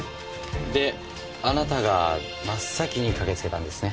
であなたが真っ先に駆けつけたんですね？